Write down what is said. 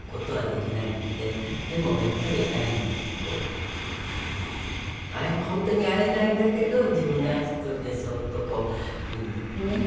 でもやっぱり会いにこう本当に会えないんだけど自分が一人でそーっとこう見に行ったり。